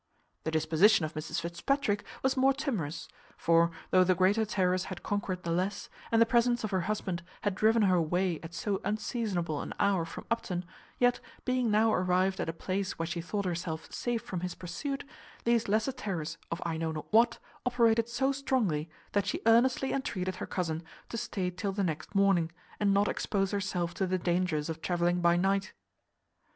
The disposition of Mrs Fitzpatrick was more timorous; for, though the greater terrors had conquered the less, and the presence of her husband had driven her away at so unseasonable an hour from Upton, yet, being now arrived at a place where she thought herself safe from his pursuit, these lesser terrors of I know not what operated so strongly, that she earnestly entreated her cousin to stay till the next morning, and not expose herself to the dangers of travelling by night.